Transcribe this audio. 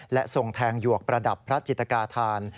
และทรงแทงหยวกประดับพระจิตกาธาน